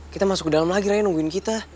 kita masuk ke dalam lagi raya nungguin kita